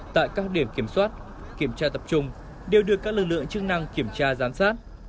tại các điểm kiểm soát kiểm tra tập trung đều được các lực lượng chức năng kiểm tra giám sát